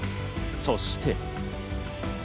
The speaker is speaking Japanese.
そして。